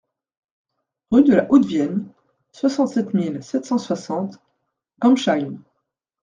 Rue de la Haute-Vienne, soixante-sept mille sept cent soixante Gambsheim